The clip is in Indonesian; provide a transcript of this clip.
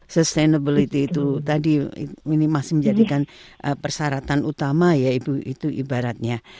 sustainability itu tadi ini masih menjadikan persaratan utama ya ibu itu ibaratnya